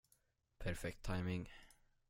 Perfekt timing!